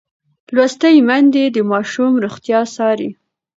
لوستې میندې د ماشوم روغتیا څاري.